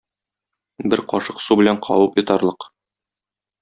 Бер кашык су белән кабып йотарлык.